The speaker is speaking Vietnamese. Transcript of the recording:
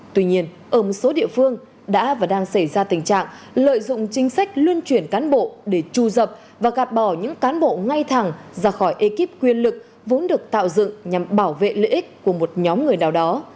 tuy nhiên ở một số địa phương đã và đang xảy ra tình trạng lợi dụng chính sách luân chuyển cán bộ để tru dập và gạt bỏ những cán bộ ngay thẳng ra khỏi ekip quyền lực vốn được tạo dựng nhằm bảo vệ lợi ích của một nhóm người nào đó